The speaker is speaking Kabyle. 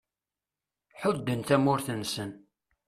Ḥudden tamurt-nnsen.